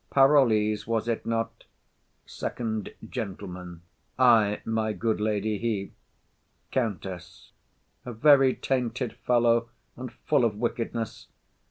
Parolles, was it not? FIRST GENTLEMAN. Ay, my good lady, he. COUNTESS. A very tainted fellow, and full of wickedness.